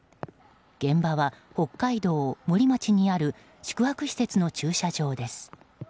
現場は北海道森町にある宿泊施設の駐車場です。